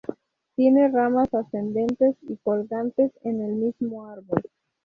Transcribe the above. Tiene ramas ascendentes y colgantes en el mismo árbol.